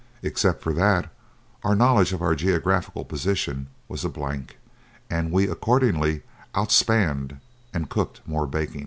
Except for that, our knowledge of our geographical position was a blank, and we accordingly "out spanned" and cooked more bacon.